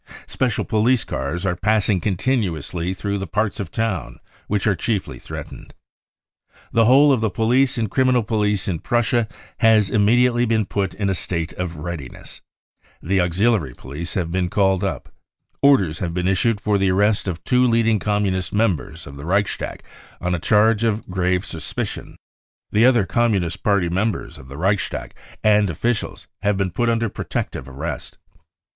Special police cars are passing continuously through the parts of the town which are chiefly threatened. The whole of the police 1 and criminal police in Prussia has immediately been put in a state of readiness. The auxiliary police have 1 68 BROWN BOOK OF THE HITLER TERROR been called up. Orders have beerf issued for the arrest of two leading Communist members of the Reichstag on * a charge of grave suspicion. The other Communist Party members of the Reichstag and officials have been put under protective arrest.